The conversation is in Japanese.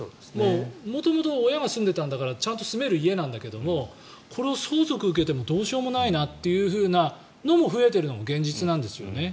元々親が住んでいたんだからちゃんと住める家なんだけどこれを相続受けてもどうしようもないなというのも増えているのが現実なんですよね。